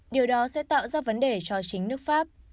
điều đó sẽ tạo ra vấn đề cho chính nước pháp